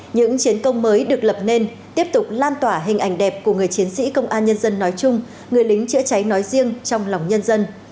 những chiến công mới được lập nên tiếp tục lan tỏa hình ảnh đẹp của người chiến sĩ công an nhân dân nói chung người lính chữa cháy nói riêng trong lòng nhân dân